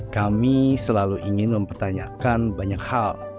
kami selalu ingin mempertanyakan banyak hal